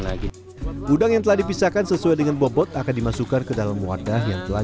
lagi udang yang telah dipisahkan sesuai dengan bobot akan dimasukkan ke dalam wadah yang telah